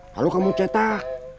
lalu kamu cetak